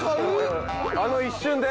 あの一瞬で？